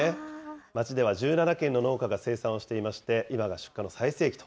町では１７軒の農家が生産をしていまして、今が出荷の最盛期と。